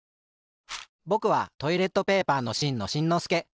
ぼくはトイレットペーパーのしんのしんのすけ。